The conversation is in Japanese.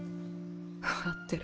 分かってる。